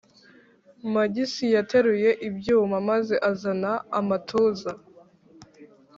magisi yateruye ibyuma maze azana amatuza